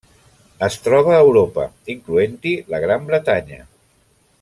Es troba a Europa, incloent-hi la Gran Bretanya.